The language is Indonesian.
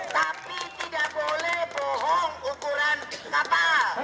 tapi tidak boleh bohong ukuran kapal